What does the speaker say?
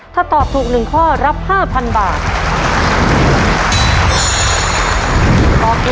ถ้าตอบถูก๑ข้อรับ๕๐๐๐บาท